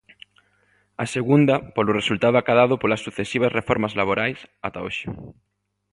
A segunda, polo resultado acadado polas sucesivas reformas laborais, ata hoxe.